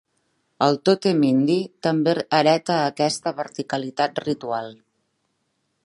El tòtem indi també hereta aquesta verticalitat ritual.